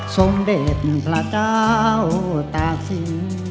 สมเด็จพระเจ้าตากศิลป์